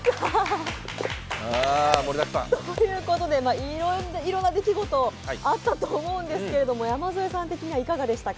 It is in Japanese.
いろいろな出来事があったと思うんですが、山添さん的にはいかがでしたか？